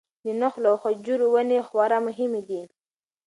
د نخلو او خجورو ونې خورا مهمې دي.